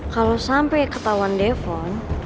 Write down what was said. kalau sampai ketahuan depon